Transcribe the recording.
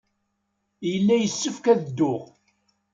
Yella yessefk ad dduɣ.